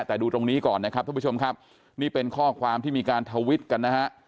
แต่ดูตรงนี้ก่อนนะครับทุกผู้ชมครับนี่เป็นข้อความที่มีการทวิตกันนะฮะ